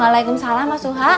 waalaikumsalam mas suha